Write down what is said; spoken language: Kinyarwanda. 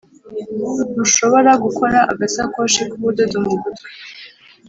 ntushobora gukora agasakoshi k'ubudodo mu gutwi